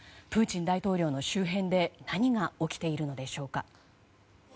プーチン大統領の周辺で何が起きているのでしょうか。